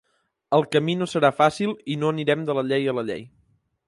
El camí no serà fàcil i no anirem de la llei a la llei.